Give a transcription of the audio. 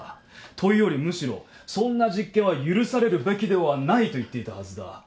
というよりむしろそんな実験は許されるべきではないと言っていたはずだ。